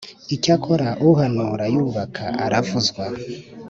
Icyakora uhanura yubaka aravuzwa